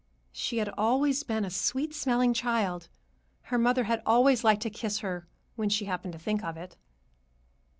She had always been a sweet smelling child. Her mother had always liked to kiss her, when she happened to think of it.